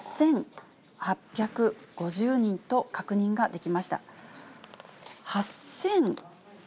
８８５０人と確認ができました。